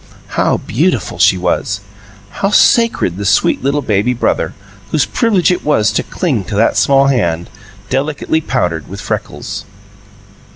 How beautiful she was! How sacred the sweet little baby brother, whose privilege it was to cling to that small hand, delicately powdered with freckles.